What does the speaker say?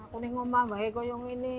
aku ini ngumah baik baik yang ini